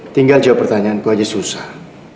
tinggal jawab pertanyaanku aja susah